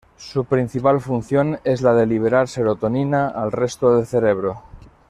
Su principal función es la de liberar serotonina al resto del cerebro.